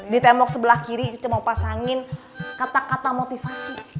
di tembok sebelah kiri cuma pasangin kata kata motivasi